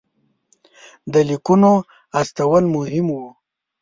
د لیکونو استول مهم وو.